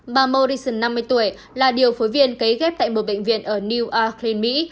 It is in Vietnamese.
bà morrison năm mươi tuổi là điều phối viên cấy ghép tại một bệnh viện ở newark maine mỹ